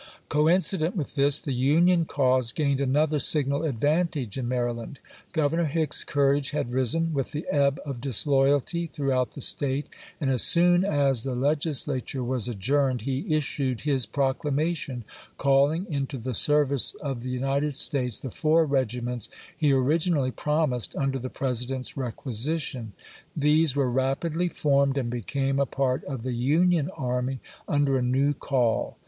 Coincident with this, the Union cause gained another signal advantage in Maryland. Grovernor Hicks's courage had risen with the ebb of disloyalty throughout the State; and as soon as the Legis lature was adjourned he issued his proclamation calling into the service of the United States the four regiments he originally promised under the President's requisition. These were rapidly formed, and became a part of the Union army under a new call.